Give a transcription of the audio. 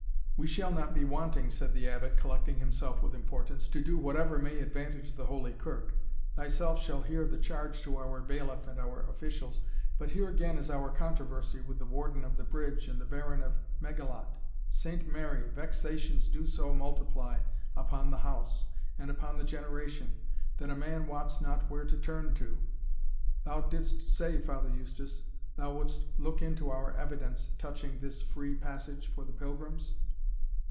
"We shall not be wanting," said the Abbot, collecting himself with importance, "to do whatever may advantage Holy Kirk thyself shall hear the charge to our Bailiff and our officials but here again is our controversy with the warden of the bridge and the Baron of Meigallot Saint Mary! vexations do so multiply upon the House, and upon the generation, that a man wots not where to turn to! Thou didst say, Father Eustace, thou wouldst look into our evidents touching this free passage for the pilgrims?"